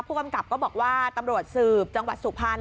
ผู้กำกับก็บอกว่าตำรวจสืบจังหวัดสุพรรณ